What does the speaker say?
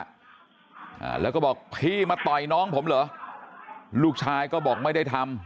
อ่าแล้วก็บอกพี่มาต่อยน้องผมเหรอลูกชายก็บอกไม่ได้ทำ